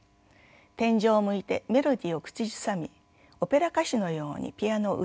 天井を向いてメロディーを口ずさみオペラ歌手のようにピアノを歌わせます。